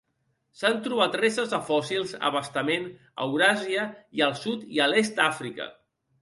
S'han trobat restes de fòssils a bastament a Euràsia i al sud i l'est d'Àfrica.